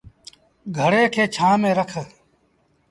گھڙي کي ڇآنه ميݩ رک۔